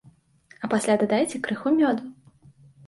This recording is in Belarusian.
А пасля дадайце крыху мёду.